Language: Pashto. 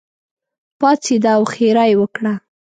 پاڅېده او ښېرا یې وکړه.